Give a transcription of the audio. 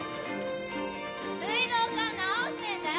水道管直してんだよ。